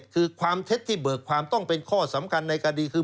คือความเท็จที่เบิกความต้องเป็นข้อสำคัญในคดีคือ